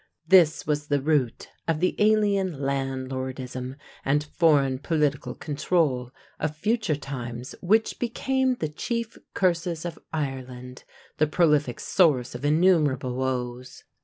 This was the root of the alien "landlordism" and foreign political control of future times which became the chief curses of Ireland, the prolific source of innumerable woes.